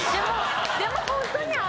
でもホントにある。